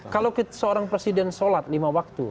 kalau seorang presiden sholat lima waktu